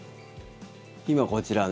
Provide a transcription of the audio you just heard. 今、こちらね。